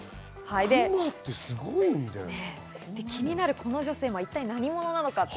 気になるこの女性、何者なのか？